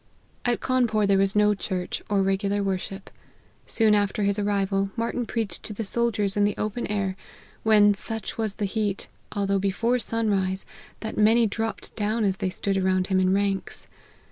At Cawnpore there was no church, or regular worship. Soon after his arrival, Marty n preached to the soldiers in the open air, when, such was the heat, although before sunrise, that many dropped down as they stood around him in ranks.